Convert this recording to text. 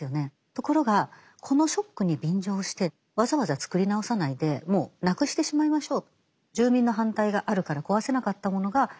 ところがこのショックに便乗してわざわざ作り直さないでもうなくしてしまいましょう。